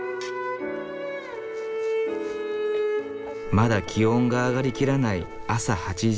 まだ気温が上がりきらない朝８時。